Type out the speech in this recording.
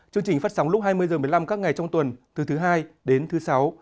chương trình phát sóng lúc hai mươi h một mươi năm các ngày trong tuần từ thứ hai đến thứ sáu